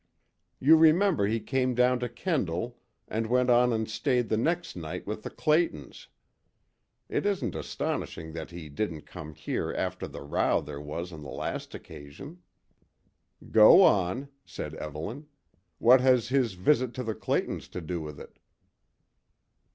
You remember he came down to Kendal and went on and stayed the next night with the Claytons. It isn't astonishing that he didn't come here after the row there was on the last occasion." "Go on," said Evelyn. "What has his visit to the Claytons to do with it?"